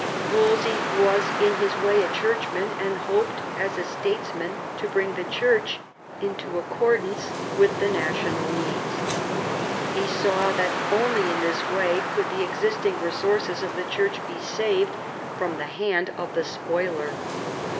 Wolsey was in his way a churchman, and hoped as a statesman to bring the Church into accordance with the national needs. He saw that only in this way could the existing resources of the Church be saved from the hand X THE FALL OF WOLSEY 197 of the spoiler.